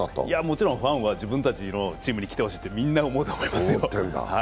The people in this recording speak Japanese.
もちろんファンは自分たちのチームに来てほしいとみんな思うと思いますよ。